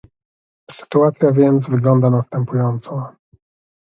Sytuacja więc wygląda następująco